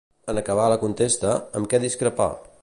En acabar la contesta, amb què discrepà?